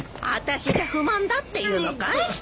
あたしじゃ不満だっていうのかい？